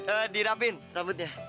eh dirapin rambutnya